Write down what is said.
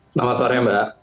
selamat sore mbak